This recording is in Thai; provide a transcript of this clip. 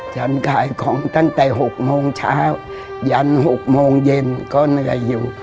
ฉันขายของตั้งแต่๖โมงเช้ายัน๖โมงเย็นก็เหนื่อยอยู่